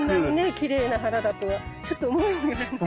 きれいな花だとはちょっと思いもよらないでしょ。